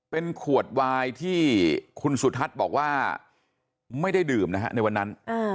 เป็นขวดวายที่คุณสุทัศน์บอกว่าไม่ได้ดื่มนะฮะในวันนั้น